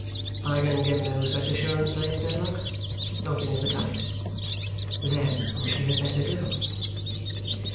"I can give no such assurance, Lady Dedlock. Nothing of the kind." "Then she had better go."